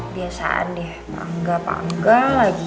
biasaan deh pangga pangga lagi